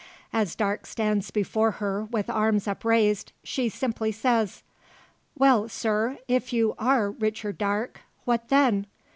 As Darke stands before her with arms upraised, she simply says, "Well, sir; if you are Richard Darke, what then?